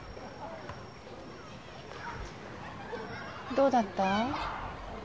どうだった？